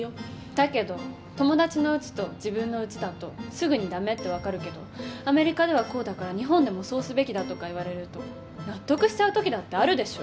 だけど友達のうちと自分のうちだとすぐに駄目って分かるけど「アメリカではこうだから日本でもそうすべきだ」とか言われると納得しちゃう時だってあるでしょ。